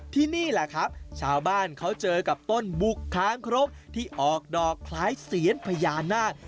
ที่นี่แหละครับชาวบ้านเขาเจอกับต้นบุกค้างครกที่ออกดอกคล้ายเสียนพญานาค